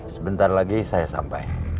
sebentar lagi saya sampai